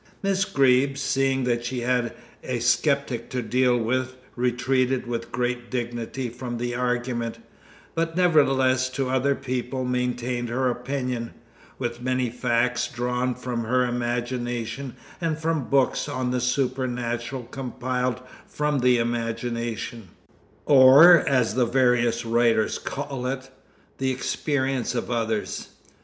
Miss Greeb, seeing that she had a sceptic to deal with, retreated with great dignity from the argument, but nevertheless to other people maintained her opinion, with many facts drawn from her imagination and from books on the supernatural compiled from the imagination or, as the various writers called it the experience of others.